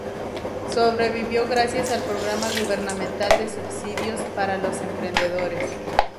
Sobrevivió gracias al programa gubernamental de subsidios para los emprendedores.